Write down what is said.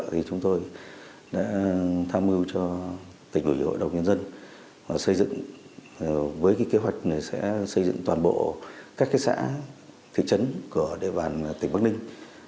thì chúng tôi đã tham mưu cho tỉnh ủy hội đồng nhân dân xây dựng với kế hoạch sẽ xây dựng toàn bộ các xã thị trấn của địa bàn tỉnh bắc ninh